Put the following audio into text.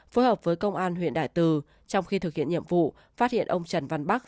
phối hợp với công an huyện đại từ trong khi thực hiện nhiệm vụ phát hiện ông trần văn bắc